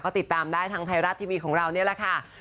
ก็ติดตามได้ทางไทยรัฐทีวีของเรานี่แหละค่ะ